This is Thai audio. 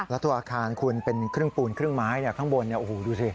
แล้วตัวอาคารคุณเป็นครึ่งปูนครึ่งไม้ข้างบนโอ้โหดูสิ